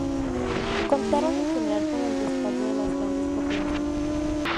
Contaron en general con el respaldo de las grandes potencias.